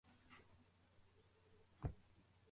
Umugore uzamura inanga mu bwato